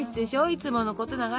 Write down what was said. いつものことながら。